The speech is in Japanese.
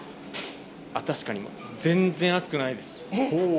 確かに、全然暑くないです。